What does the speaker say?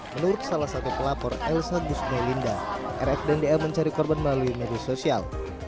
menurut salah satu pelapor elsa gusmelinda rf dan dl mencari korban melalui media sosial